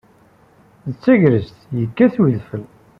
D tagrest, yekkat udfel.